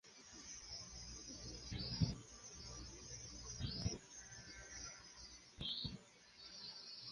নদীটি বাংলাদেশের উত্তর-কেন্দ্রীয় অঞ্চলের জামালপুর, টাঙ্গাইল, গাজীপুর ও ঢাকা জেলার একটি নদী।